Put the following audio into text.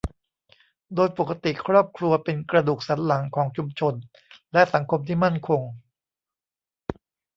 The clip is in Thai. โดยปกติครอบครัวเป็นกระดูกสันหลังของชุมชนและสังคมที่มั่นคง